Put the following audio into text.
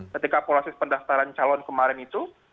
ketika proses pendaftaran calon kemarin itu